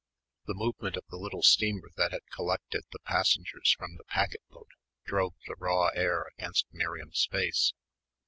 The movement of the little steamer that had collected the passengers from the packet boat drove the raw air against Miriam's face.